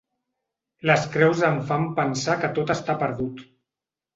Les creus em fan pensar que tot està perdut.